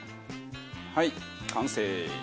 はい完成。